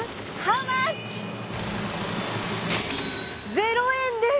０円です！